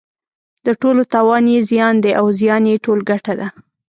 د ټولو تاوان یې زیان دی او زیان یې ټول ګټه ده.